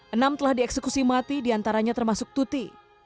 enam telah dieksekusi mati diantaranya termasuk tuti